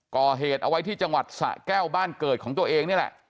ก่อเหตุเอาไว้ที่จังหวัดสะแก้วบ้านเกิดของตัวเองนี่แหละ